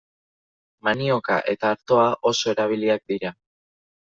Manioka eta artoa oso erabiliak dira.